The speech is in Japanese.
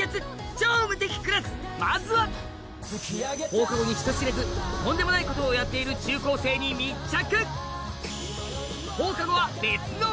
『超無敵クラス』まずは放課後に人知れずとんでもないことをやっている中高生に密着！